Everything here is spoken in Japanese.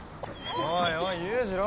おいおい裕次郎。